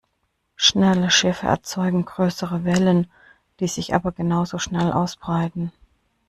Schnelle Schiffe erzeugen größere Wellen, die sich aber genauso schnell ausbreiten.